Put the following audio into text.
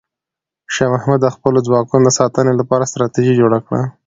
شاه محمود د خپلو ځواکونو د ساتنې لپاره ستراتیژي جوړه کړه.